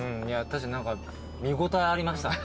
何か見応えありました。